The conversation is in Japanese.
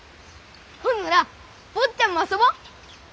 ほんなら坊ちゃんも遊ぼう。